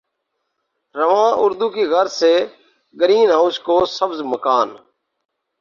رواں اردو کی غرض سے گرین ہاؤس کو سبز مکان